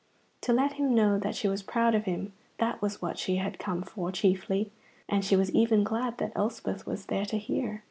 To let him know that she was proud of him, that was what she had come for chiefly, and she was even glad that Elspeth was there to hear.